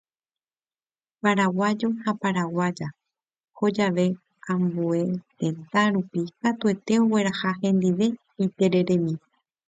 Paraguayo ha paraguaya oho jave ambue tetã rupi katuete ogueraha hendive itereremi.